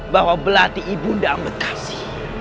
bahwa belati ibu ndako ambedkasi